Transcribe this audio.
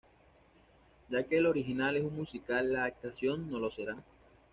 Ya que el original es un musical, la adaptación no lo será.